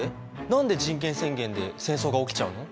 何で人権宣言で戦争が起きちゃうの？